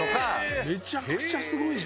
めちゃくちゃすごいじゃん。